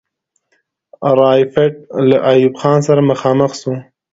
رایپټ له ایوب خان سره مخامخ سو.